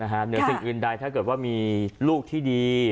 เหนือสิ่งอื่นใดถ้าเกิดว่ามีลูกที่ดี